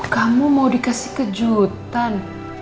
kamu mau dikasih kejutan